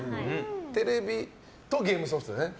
テレビとゲームソフトだね。